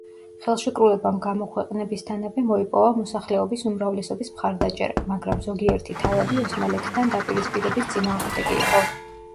ხელშეკრულებამ გამოქვეყნებისთანავე მოიპოვა მოსახლეობის უმრავლესობის მხარდაჭერა, მაგრამ ზოგიერთი თავადი ოსმალეთთან დაპირისპირების წინააღმდეგი იყო.